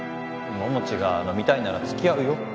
桃地が飲みたいなら付き合うよ。